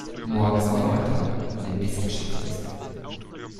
Morgen ist auch noch ein Tag an dem nichts geschafft ist.